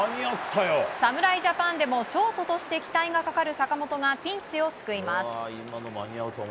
侍ジャパンでもショートとして期待がかかる坂本がピンチを救います。